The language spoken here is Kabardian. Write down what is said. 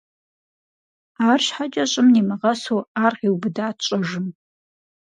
АрщхьэкӀэ щӀым нимыгъэсу ар къиубыдат щӀэжым.